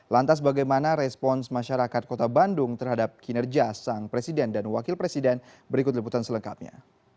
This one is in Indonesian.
lantas bagaimana respons masyarakat kota bandung terhadap kinerja sang presiden dan wakil presiden berikut liputan selengkapnya